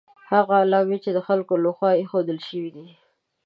هغه علامې دي چې د خلکو له خوا ایښودل شوي دي.